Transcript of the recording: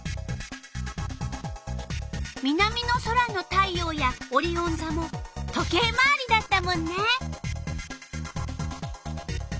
南の空の太陽やオリオンざも時計回りだったもんね。